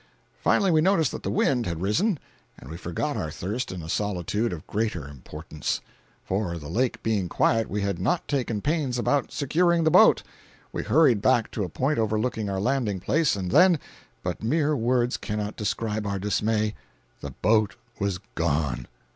Finally we noticed that the wind had risen, and we forgot our thirst in a solicitude of greater importance; for, the lake being quiet, we had not taken pains about securing the boat. We hurried back to a point overlooking our landing place, and then—but mere words cannot describe our dismay—the boat was gone!